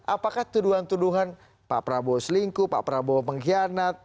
apakah tuduhan tuduhan pak prabowo selingkuh pak prabowo mengkhianat